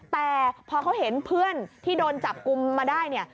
แต่พอเขาเห็นเพื่อนที่โดนจับกุมมาได้เนี่ย